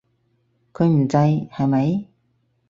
佢唔制，係咪？